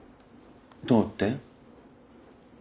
どうって？